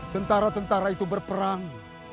tentara tentara itu berperang